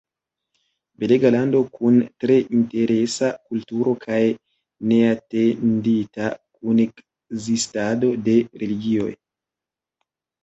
Belega lando kun tre interesa kulturo kaj neatendita kunekzistado de religioj.